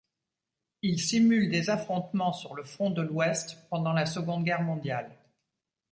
Il simule des affrontements sur le front de l'Ouest pendant la Seconde Guerre mondiale.